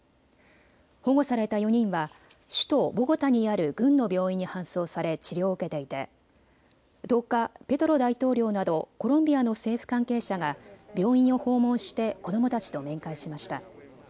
保護された４人は首都ボゴタにある軍の病院に搬送され治療を受けていて１０日、ペトロ大統領などコロンビアの政府関係者が病院を訪問して子どもたちと面会しました。